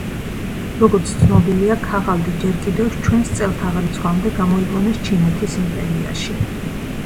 როგორც ცნობილია ქაღალდი ჯერ კიდევ ჩვენს წელთაღრიცხვამდე გამოიგონეს ჩინეთის იმპერიაში.